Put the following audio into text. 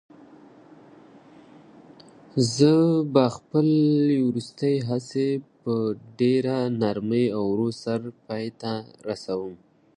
زه به خپله وروستۍ هڅه په ډېرې نره ورۍ سره پای ته ورسوم.